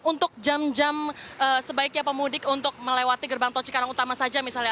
untuk jam jam sebaiknya pemudik untuk melewati gerbang tol cikarang utama saja misalnya